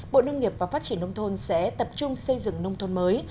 bộ nông nghiệp và phát triển nông thôn sẽ tập trung xây dựng nông thôn mới